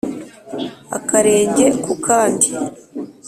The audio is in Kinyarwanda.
Akarenge ku kandi